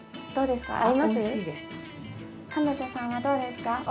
どうですか？